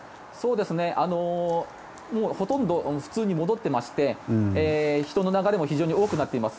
ほとんど普通に戻ってまして人の流れも非常に多くなっています。